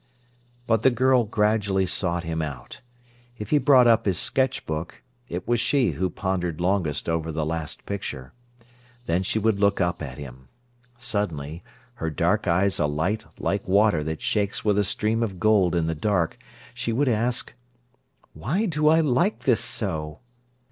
But the girl gradually sought him out. If he brought up his sketch book, it was she who pondered longest over the last picture. Then she would look up at him. Suddenly, her dark eyes alight like water that shakes with a stream of gold in the dark, she would ask: "Why do I like this so?"